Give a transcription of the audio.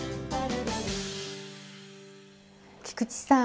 菊池さん